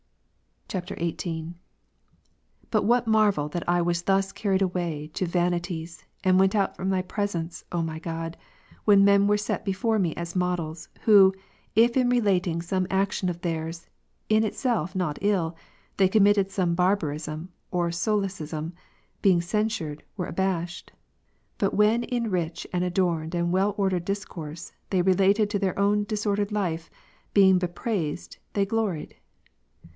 [XVIIL] 28. But what marvel that I was thus carried away to vanities, and went out from Thy presence, O my God, when men were set before me as models, who, if in relating some action of theirs, in itself not ill, they committed some bar barism or solecism, being censvired, were abashed; but when in rich and adorned and well ordered discourse they related their own disordered life, being bepraised, they gloried?